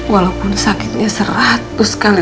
walaupun sakitnya seratus kali